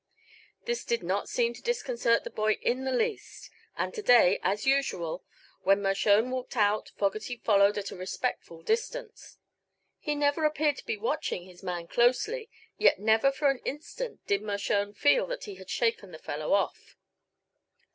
This did not seem to disconcert the boy in the least, and to day, as usual, when Mershone walked out Fogerty followed at a respectful distance. He never appeared to be watching his man closely, yet never for an instant did Mershone feel that he had shaken the fellow off.